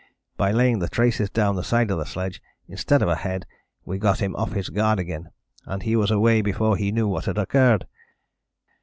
By laying the traces down the side of the sledge instead of ahead we got him off his guard again, and he was away before he knew what had occurred....